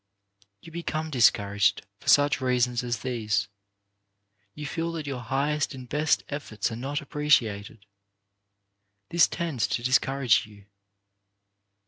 You become discouraged for such reasons as these. You feel that your highest and best efforts are not appreciated. This tends to discourage you.